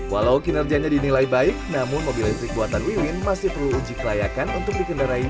walau kinerja di nilai baik namun mobil listrik buatan wewin masih perlu uji kelayakan untuk dikejar